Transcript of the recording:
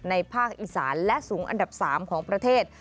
ภาคอีสานและสูงอันดับ๓ของประเทศ